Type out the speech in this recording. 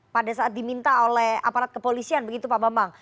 pada saat diminta oleh aparat kepolisian begitu pak bambang